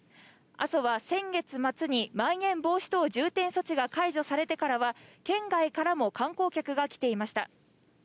阿蘇は先月末に、まん延防止等重点措置が解除されてからは、県外からも観光客が来ていました。